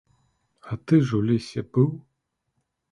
А ты ж у лесе быў?